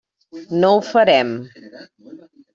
No ho farem.